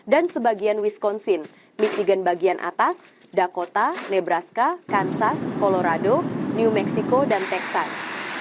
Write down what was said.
dan sebagian wisconsin michigan bagian atas dakota nebraska kansas colorado new mexico dan texas